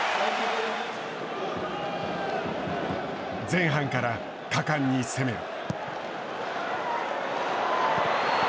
前半から果敢に攻める。